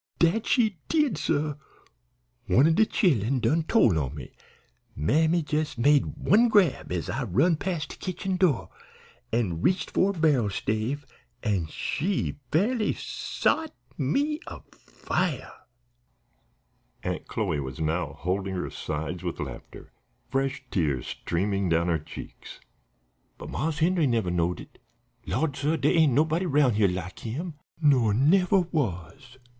"Dat she did, suh. One o' de chillen done tole on me. Mammy jes' made one grab as I run pas' de kitchen door, an' reached for a barrel stave, an' she fairly sot me afire!" Aunt Chloe was now holding her sides with laughter, fresh tears streaming down her cheeks. "But Marse Henry never knowed it. Lawd, suh, dere ain't nobody round here like him, nor never was.